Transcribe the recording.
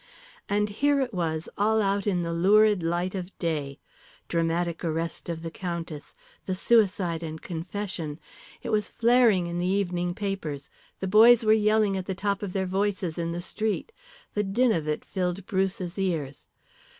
And here it was all out in the lurid light of day. Dramatic arrest of the Countess. The suicide and confession. It was flaring in the evening papers the boys were yelling at the top of their voices in the street. The din of it filled Bruce's ears.